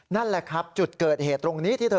นั่นแหละครับจุดเกิดเหตุตรงนี้